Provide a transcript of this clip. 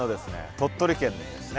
鳥取県ですね。